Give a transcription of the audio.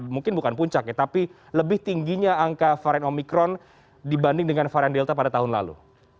mungkin bukan puncak ya tapi lebih tingginya angka varian omikron dibanding dengan varian delta pada tahun lalu